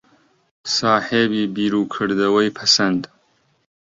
ساحێبی بیر و کردەوەی پەسەند